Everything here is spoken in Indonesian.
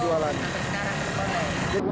belum sampai sekarang